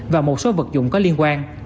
và một số vật dụng có liên quan